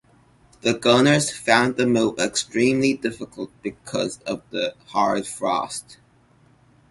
The gunners found the move extremely difficult because of the hard frost.